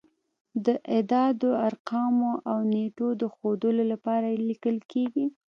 د اعدادو، ارقامو او نېټو د ښودلو لپاره لیکل کیږي.